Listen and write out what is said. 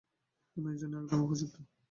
তুমি এর জন্য একদম উপযুক্ত!